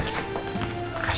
nanti saya kemari ya